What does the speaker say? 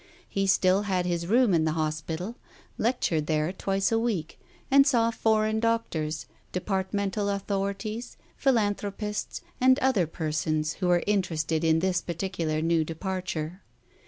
He still had his room in the Hospital, lectured there twice a week, and saw foreign doctors, depart mental authorities, philanthropists and other persons who were interested in this particular new departure.